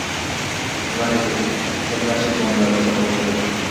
Nima deysiz? Qizlar shiyponda, oʻchoqboshida.